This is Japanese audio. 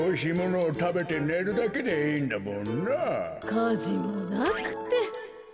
かじもなくて。